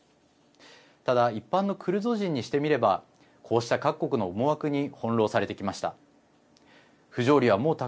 ただ一般のクルド人にしてみればこうした各国の思惑に翻弄されてきました。